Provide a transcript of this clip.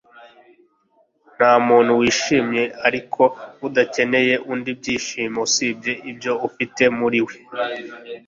ntamuntu wishimye ariko udakeneye undi byishimo usibye ibyo afite muri we